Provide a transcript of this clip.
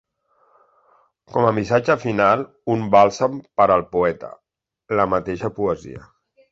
Com a missatge final, un bàlsam per al poeta: la mateixa poesia.